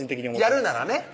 やるならね